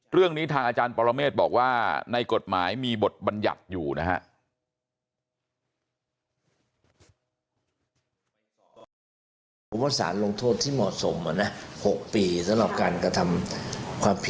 เรื่องนี้ทางอาจารย์ปรเมฆบอกว่าในกฎหมายมีบทบัญญัติอยู่นะฮะ